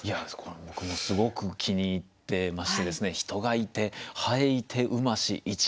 僕もすごく気に入ってまして「人がゐて蠅ゐてうまし市場飯」。